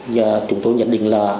giờ chúng tôi nhận định là